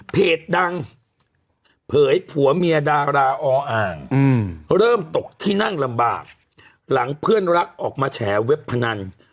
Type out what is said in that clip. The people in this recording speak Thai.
เพจดังเผยผัวเมียดาราออ่างเริ่มตกที่นั่งลำบากหลังเพื่อนรักออกมาแฉเว็บพนัน